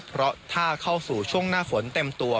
เพราะถ้าเข้าสู่ช่วงหน้าฝนเต็มตัว